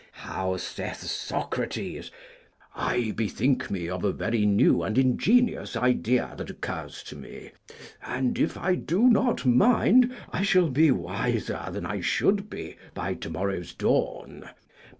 How saith Socrates? 'I bethink me of a very new and ingenious idea that occurs to me; and, if I do not mind, I shall be wiser than I should be by to morrow's dawn.